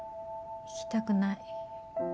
行きたくない。